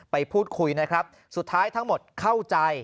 ไปพูดคุยนะครับสุดท้ายทั้งหมดเข้าใจ